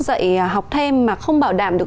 dạy học thêm mà không bảo đảm được